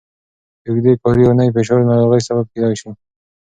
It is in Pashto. د اوږدې کاري اونۍ فشار د ناروغۍ سبب کېدای شي.